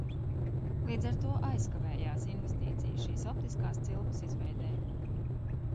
Līdz ar to aizkavējās investīcijas šīs optiskās cilpas izveidei.